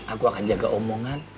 aku akan jaga omongan